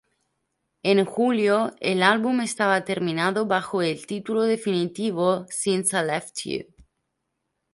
En julio el álbum estaba terminado bajo el título definitivo "Since I Left You".